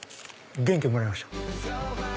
元気をもらいました。